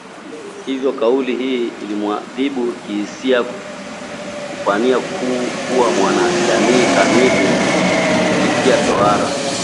Hivyo kauli hii inamwadhibu kihisia na kupania kuwa mwanajamii kamili kupitia tohara